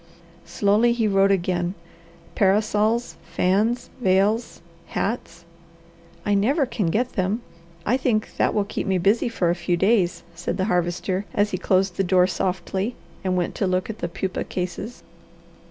Slowly he wrote again: Parasols. Fans. Veils. Hats. "I never can get them! I think that will keep me busy for a few days," said the Harvester as he closed the door softly, and went to look at the pupae cases.